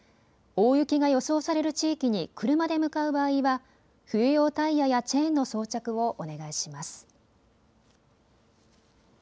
大雪が予想される地域に車で向かう場合は冬用タイヤやチェーンの装着をお願いします。